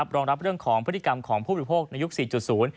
รองรับเรื่องของพฤติกรรมของผู้บริโภคในยุค๔๐